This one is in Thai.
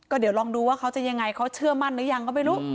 เดี๋ยวลองดูว่าเขาจะยังไงเขาเชื่อมั่นหรือยังก็ไม่รู้